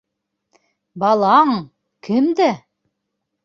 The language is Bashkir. Балаң... кемдә?